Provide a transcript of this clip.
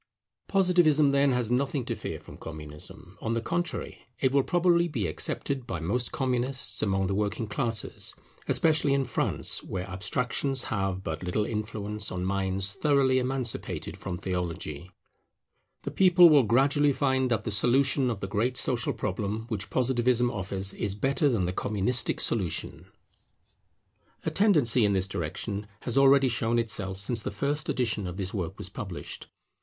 Positivism, then, has nothing to fear from Communism; on the contrary, it will probably be accepted by most Communists among the working classes, especially in France where abstractions have but little influence on minds thoroughly emancipated from theology. The people will gradually find that the solution of the great social problem which Positivism offers is better than the Communistic solution. [Its new title of Socialism] A tendency in this direction has already shown itself since the first edition of this work was published.